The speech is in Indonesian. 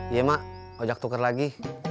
iya mak ojak tuker lagi